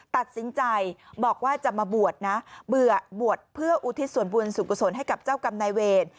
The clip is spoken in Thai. ตัดสินใจบอกว่าจะมาบวชนะเบื่อบวชเพื่ออุทิศส่วนบุญสุขุศลให้กับเจ้ากรรมนายเวร